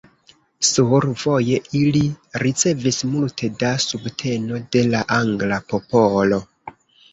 Sur voje ili ricevis multe da subteno de la angla popolo.